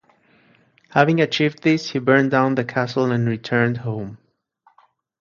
Having achieved this he burned down the castle and returned home.